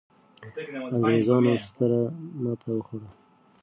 انګرېزانو ستره ماته وخوړه.